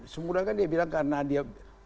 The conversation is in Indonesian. semudah kan dia bilang karena dia